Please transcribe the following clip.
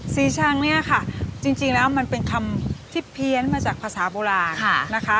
ชังเนี่ยค่ะจริงแล้วมันเป็นคำที่เพี้ยนมาจากภาษาโบราณนะคะ